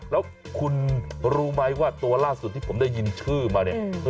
แล้วคุณรู้ไหมว่าตัวล่าสุดที่ผมได้ยินชื่อมาเนี่ย